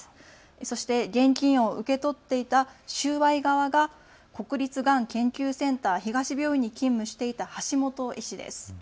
そして現金を受け取っていた収賄側が国立がん研究センター東病院に勤務していた橋本医師です。